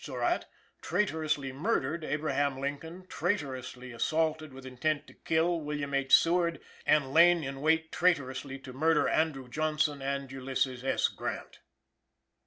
Surratt" "traitorously" murdered Abraham Lincoln, "traitorously" assaulted with intent to kill, William H. Seward, and lain in wait "traitorously" to murder Andrew Johnson and Ulysses S. Grant.